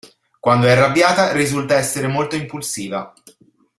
Quando è arrabbiata risulta essere molto impulsiva.